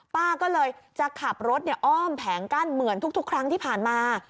ป้าก็เลยจะขับรถอ้อมแผงกั้นเหมือนทุกครั้งที่ผ่านมา